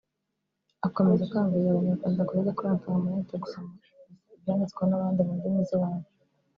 Akomeza akangurira Abanyarwanda kutajya kuri Internet gusoma gusa ibyanditswe n’abandi mu ndimi z’iwabo